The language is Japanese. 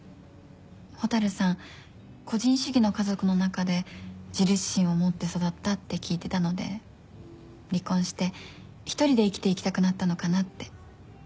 蛍さん個人主義の家族の中で自立心を持って育ったって聞いてたので離婚して１人で生きていきたくなったのかなって。